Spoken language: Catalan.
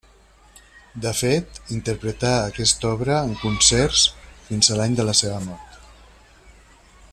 De fet, interpretà aquesta obra en concerts fins a l'any de la seva mort.